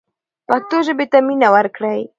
پښتو ژبې ته مینه ورکړئ.